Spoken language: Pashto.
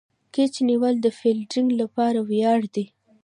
کېچ نیول د فیلډر له پاره ویاړ دئ.